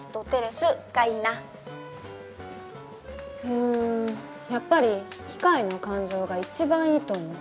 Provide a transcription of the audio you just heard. うんやっぱり「機械の感情」が一番いいと思う。